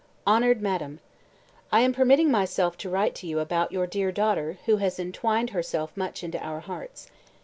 "HONOURED MADAM, I am permitting myself to write to you about your dear daughter, who has entwined herself much into our hearts.